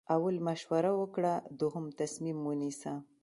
اول مشوره وکړه دوهم تصمیم ونیسه.